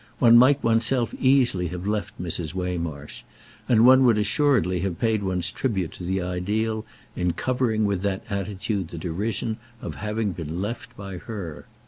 One might one's self easily have left Mrs. Waymarsh; and one would assuredly have paid one's tribute to the ideal in covering with that attitude the derision of having been left by her.